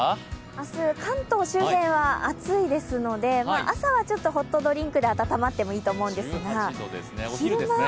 明日、関東周辺は暑いですので、朝はちょっとホットドリンクで温まってもいいと思いますが。